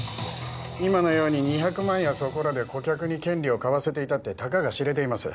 今のように２００万やそこらで顧客に権利を買わせていたってたかが知れています